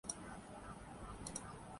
تو پاکستان آئیں۔